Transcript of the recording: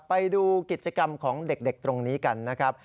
ไปดูกิจกรรมของเด็กตรงนี้กันนะครับ